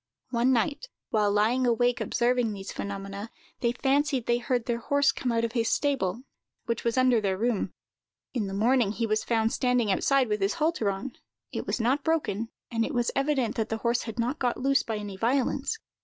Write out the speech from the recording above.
One night, while lying awake observing these phenomena, they fancied they heard their horse come out of his stable, which was under their room. In the morning, he was found standing outside, with his halter on; it was not broken, and it was evident that the horse had not got loose by any violence.